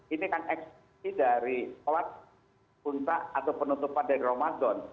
ini kan ekspresi dari sholat puntah atau penutupan dari ramadan